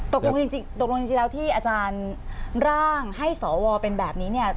ตกลงจริงตกลงจริงแล้วที่อาจารย์ร่างให้สวเป็นแบบนี้เนี่ย